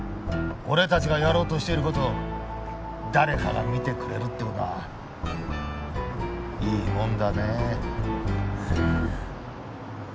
俺たちがやろうとしている事を誰かが見てくれるっていうのはいいもんだねえ。